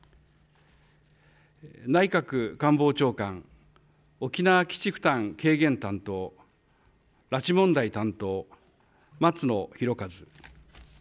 内閣官房長官、沖縄基地負担軽減担当、拉致問題担当、松野博一。